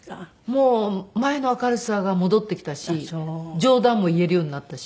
もう前の明るさが戻ってきたし冗談も言えるようになったし。